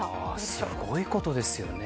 すごいことですよね。